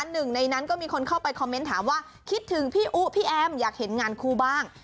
หนึ่งในนั้นก็มีคนเข้าไปคอมเมนต์ถามว่าคิดถึงพี่อุ๊พี่แอมอยากเห็นงานคู่บ้าง